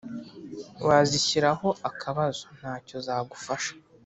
Wazishyiraho akabazo ntacyo zagufasha